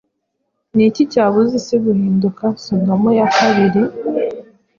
Ni iki cyabuza isi guhinduka Sodomo ya kabiri?